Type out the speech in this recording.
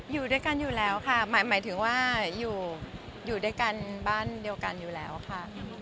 อยู่ด้วยกันอยู่แล้วค่ะหมายถึงว่าอยู่ด้วยกันบ้านเดียวกันอยู่แล้วค่ะ